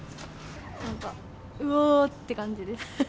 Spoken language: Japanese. なんか、うわーって感じです。